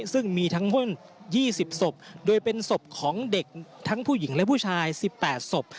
ซึ่งมีทั้งหุ้น๒๐ศพโดยเป็นศพของเด็กทั้งผู้หญิงและผู้ชาย๑๘ศพ